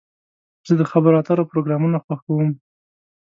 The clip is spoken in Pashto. زه د خبرو اترو پروګرامونه خوښوم.